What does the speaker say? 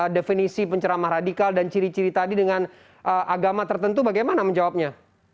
definisi penceramah radikal dan ciri ciri tadi dengan agama tertentu bagaimana menjawabnya